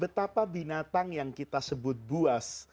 betapa binatang yang kita sebut buas